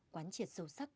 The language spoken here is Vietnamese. quán triệt sâu sắc